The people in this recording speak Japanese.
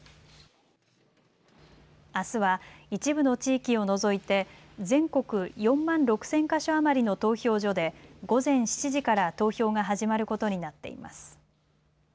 あすは一部の地域を除いて全国４万６０００か所余りの投票所で午前７時から投票が始まることになっています。